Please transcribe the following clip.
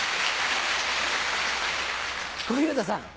小遊三さん。